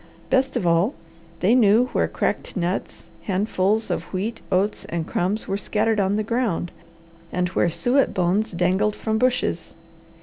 Best of all, they knew where cracked nuts, handfuls of wheat, oats, and crumbs were scattered on the ground, and where suet bones dangled from bushes.